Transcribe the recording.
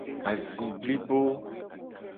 Azi blibo.